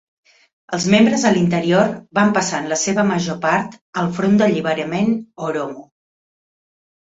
Els membres a l'interior van passar en la seva major part al Front d'Alliberament Oromo.